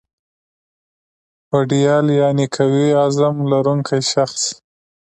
هوډیال یعني قوي عظم لرونکی شخص